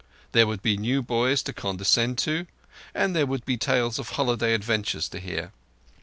There would be new boys to condescend to, and there would be tales of holiday adventures to hear.